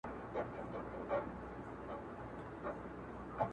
وایم خدای دې یو ځل فرصت برابر کړي